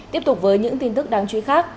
tiếp tục với những tin tức đáng chú ý khác